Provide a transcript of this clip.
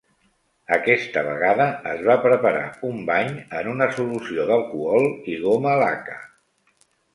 Aquesta vegada es va preparar un bany en una solució d'alcohol i goma laca.